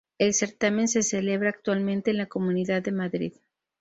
El certamen se celebra actualmente en la Comunidad de Madrid.